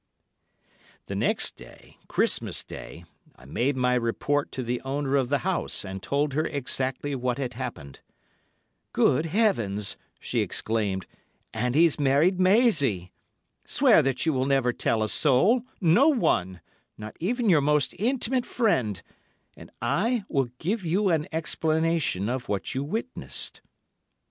"The next day—Christmas Day—I made my report to the owner of the house, and told her exactly what had happened. "'Good heavens!' she exclaimed, 'and he's married Maisie! Swear that you will never tell a soul, no one, not even your most intimate friend, and I will give you an explanation of what you witnessed.